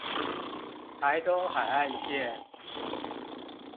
臺東海岸線